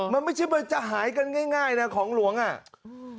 มันไม่ใช่มันจะหายกันง่ายง่ายนะของหลวงอ่ะอืม